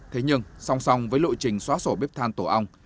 thế nhưng song song với lộ trình xóa sổ bếp than tổ ong